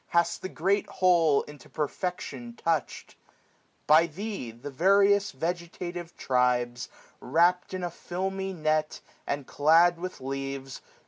Hast the great whole into perfection touchM. By Thee the various vegetative tribes. Wrapt in a filmy net, and clad with leaves.